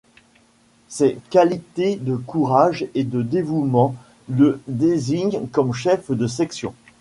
Ses qualités de courage et de dévouement le désignent comme chef de section.